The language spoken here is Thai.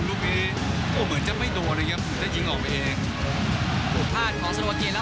แล้วกิ๊งเล่นตรงนี้สกต์ทนียังบังเหลียนไว้มิตรเลยครับ